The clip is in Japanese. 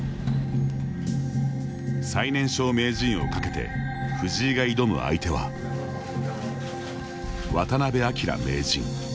最年少名人をかけて藤井が挑む相手は渡辺明名人。